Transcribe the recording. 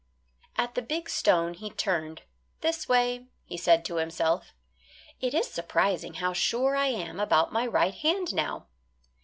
At the big stone he turned this way he said to himself. "It is surprising how sure I am about my right hand now."